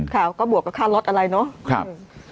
ค่ะก็บวกกับค่าล็อตอะไรเนาะ